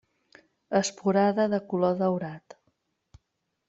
Esporada de color daurat.